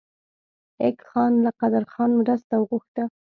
ایلک خان له قدرخان مرسته وغوښته.